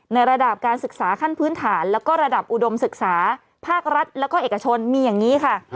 ในระดับการศึกษาขั้นพื้นฐานแล้วก็ระดับอุดมศึกษาภาครัฐแล้วก็เอกชนมีอย่างนี้ค่ะ